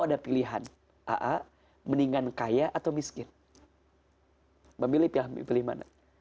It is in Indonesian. ada pilihan aa mendingan kaya atau miskin hai memilih pilih mana kayak hahaha pilihannya dua